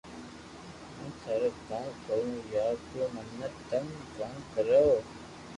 ھون ٿارو ڪاوُ ڪرو يار تو منو تنگ ڪو ڪرو